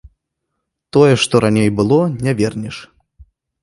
Тое, што раней было, не вернеш.